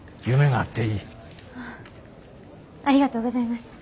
ありがとうございます。